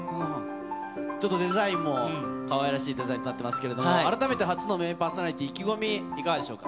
ちょっとデザインもかわいらしいデザインになってますけど、改めて初のメインパーソナリティー、意気込みはいかがでしょうか。